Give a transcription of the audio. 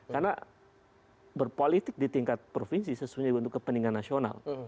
karena berpolitik di tingkat provinsi sesuai untuk kepentingan nasional